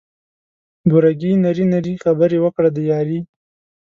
بوره ګي نري نري خبري وکړه د یاري